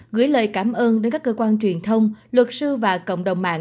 gửi lời cảm ơn đến các cơ quan truyền thông luật sư và cộng đồng mạng